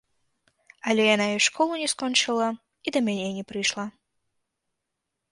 Але яна і школу не скончыла, і да мяне не прыйшла.